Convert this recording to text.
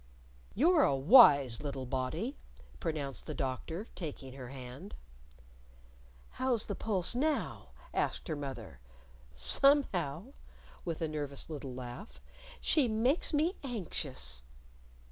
"You're a wise little body!" pronounced the Doctor, taking her hand. "How's the pulse now?" asked her mother. "Somehow" with a nervous little laugh "she makes me anxious."